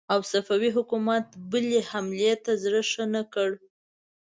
او صفوي حکومت بلې حملې ته زړه ښه نه کړ.